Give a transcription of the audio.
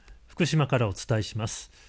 福島からお伝えします。